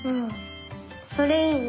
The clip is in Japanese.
それいいね。